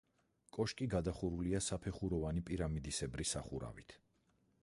კოშკი გადახურულია საფეხუროვანი პირამიდისებრი სახურავით.